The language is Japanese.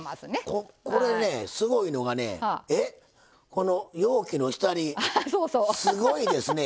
この容器の下にすごいですね。